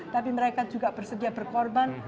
tapi mereka juga bersedia berkorban